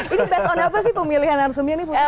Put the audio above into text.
ini based on apa sih pemilihan rasumbernya